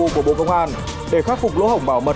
của bộ công an để khắc phục lỗ hổng bảo mật